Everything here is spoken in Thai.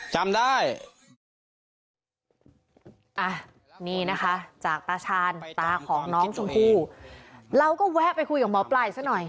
จำได้อ่ะนี่นะคะจากตาชาญตาของน้องชมพู่เราก็แวะไปคุยกับหมอปลายซะหน่อย